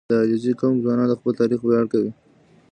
• د علیزي قوم ځوانان د خپل تاریخ ویاړ کوي.